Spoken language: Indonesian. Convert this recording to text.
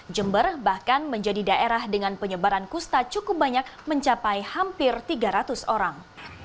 jember bahkan menjadi daerah dengan penyebaran kusta cukup banyak mencapai hampir tiga ratus orang